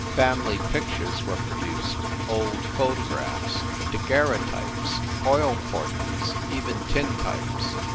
Fam ily pictures were produced, old photographs, daguer reotypes, oil portraits, even tintypes.